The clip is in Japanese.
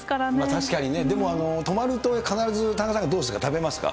確かにね、でも泊まると、必ず田中さんなんかどうですか？